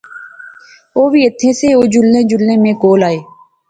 اووی ایتھیں سے، او جلنے جلنے میں کول آئے